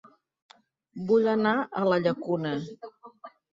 Vull anar a La Llacuna